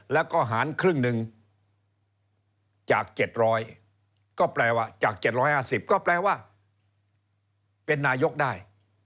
แล้วก็หารครึ่งหนึ่งจาก๗๐๐ก็แปลว่าจาก๗๕๐ก็แปลว่าเป็นนายกได้